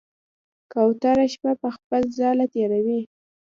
کوتره شپه په خپل ځاله تېروي.